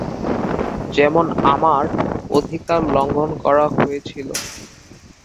যেমন আমার অধিকার লঙ্ঘন করা হয়েছিল।